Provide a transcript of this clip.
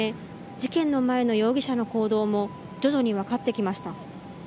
事件の前の容疑者の行動も徐々に分かってきました。